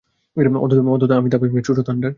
অন্তত আমি তা ভাবি, ছোট্ট থান্ডার।